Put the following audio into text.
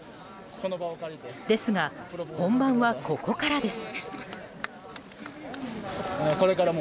ですが、本番はここからです。